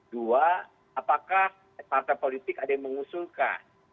dua apakah partai politik ada yang mengusulkan